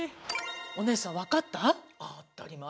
お姉さん分かった？